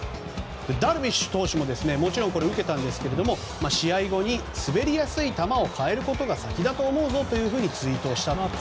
ダルビッシュ投手も受けたんですが試合後に、滑りやすい球を変えることが先だと思うぞというふうにツイートしたと。